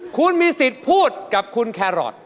คุณมีสิทธิ์พูดกับคุณแครอท